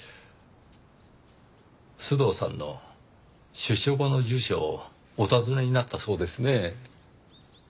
須藤さんの出所後の住所をお尋ねになったそうですね？